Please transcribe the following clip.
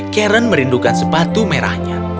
karen merindukan sepatu merahnya